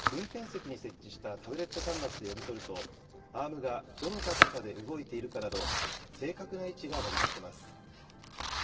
運転席に設置したタブレット端末で読み取ると、アームがどの高さで動いているかなど、正確な位置が割り出せます。